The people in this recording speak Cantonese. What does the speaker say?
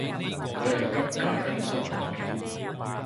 佢係今屆畢業生代表